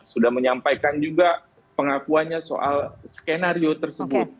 sudah menyampaikan juga pengakuannya soal skenario tersebut